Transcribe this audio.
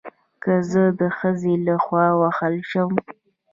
که زه د ښځې له خوا ووهل شم